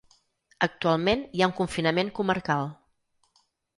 Actualment hi ha un confinament comarcal.